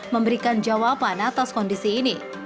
memberikan jawaban atas kondisi ini